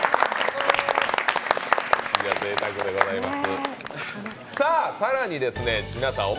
ぜいたくでございます。